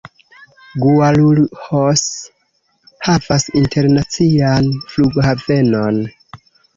Guarulhos havas internacian flughavenon.